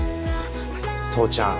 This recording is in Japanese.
父ちゃん